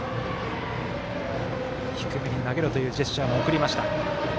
低めに投げろというジェスチャーも送りました。